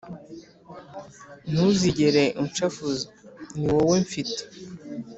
ntuzigere unshavuza niwowe mfite